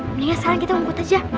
mendingan sekarang kita rumput aja